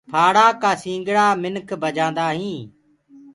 ڦآڙآ ڪآ سنگڙآ منک بجآندآ هينٚ۔